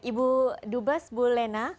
ibu dubas ibu lena